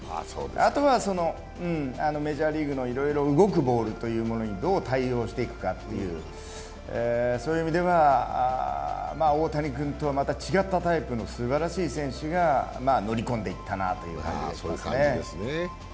あとはメジャーリーグのいろいろ動くボールというものにどう対応していくかという、そういう意味では、大谷君とはまた違ったタイプのすばらしい選手が乗り込んでいったなという感じがしますね。